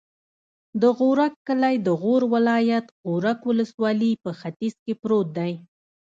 د غورک کلی د غور ولایت، غورک ولسوالي په ختیځ کې پروت دی.